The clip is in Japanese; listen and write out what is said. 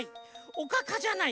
おかかじゃない。